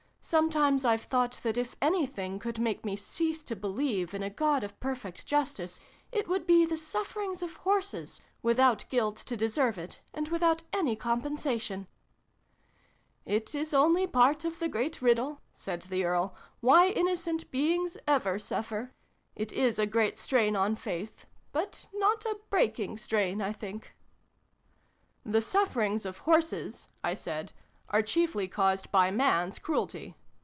Sometimes I've thought that, if anything could make me cease to be lieve in a God of perfect justice, it would be the sufferings of horses without guilt to de serve it, and without any compensation !"" It is only part of the great Riddle," said the Earl, "why innocent beings ever suffer. It is a great strain on Faith but not a breaking strain, I think." xix] A FAIRY DUET. 297 "The sufferings of horses" I said, "are chiefly caused by Mans cruelty.